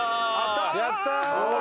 やったー！